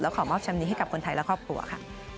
ขอมอบแชมป์นี้ให้กับคนไทยและครอบครัวค่ะ